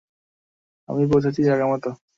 আমি পৌঁছেছি জায়গামতো।